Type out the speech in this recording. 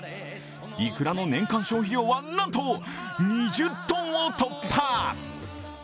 イクラの年間消費量はなんと２０ｔを突破。